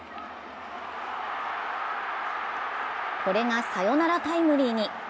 これがサヨナラタイムリーに。